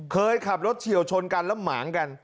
เคยขับรถเฉียวชนกันแล้วหมางกัน